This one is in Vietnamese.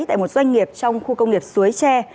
tại một doanh nghiệp trong khu công nghiệp suối tre